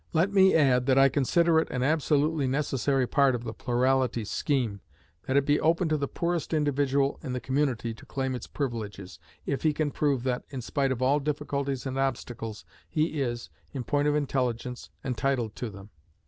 Let me add, that I consider it an absolutely necessary part of the plurality scheme that it be open to the poorest individual in the community to claim its privileges, if he can prove that, in spite of all difficulties and obstacles, he is, in point of intelligence, entitled to them.